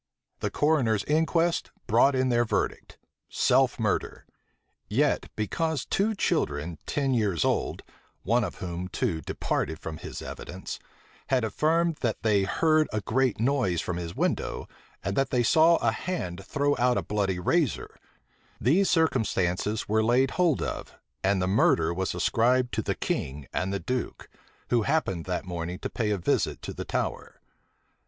The coroner's inquest brought in their verdict, self murder; yet because two children ten years old (one of whom, too, departed from his evidence) had affirmed that they heard a great noise from his window, and that they saw a hand throw out a bloody razor, these circumstances were laid hold of, and the murder was ascribed to the king and the duke, who happened that morning to pay a visit to the Tower.